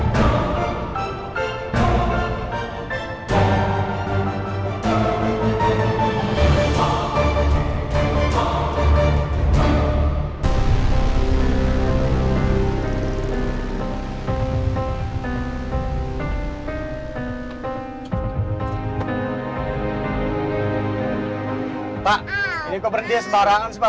pak ini kok berhenti ya sembarangan sebab bahaya buat orang pak